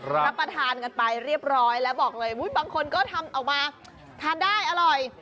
รับประทานกันไปเรียบร้อยแล้วบอกเลยบางคนก็ทำออกมาทานได้อร่อย